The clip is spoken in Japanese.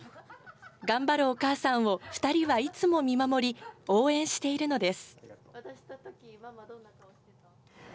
頑張るお母さんを、２人はいつも見守り、応援しているのです。